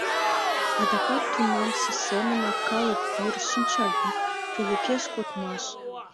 Адакат тунамсе семынак калык вӱр, шинчавӱд, тулыкеш кодмаш.